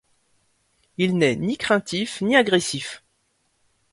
Il n’est ni craintif ni agressif.